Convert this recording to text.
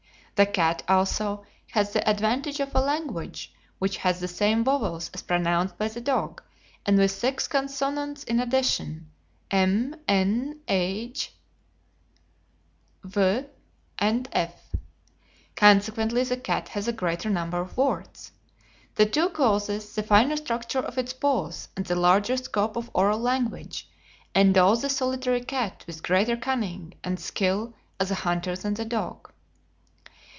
The cat, also, has the advantage of a language which has the same vowels as pronounced by the dog, and with six consonants in addition, m, n, g, h, v, and f. Consequently the cat has a greater number of words. These two causes, the finer structure of its paws, and the larger scope of oral language, endow the solitary cat with greater cunning and skill as a hunter than the dog."